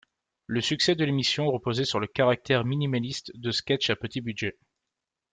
Le succès de l'émission reposait sur le caractère minimaliste de sketches à petit budget.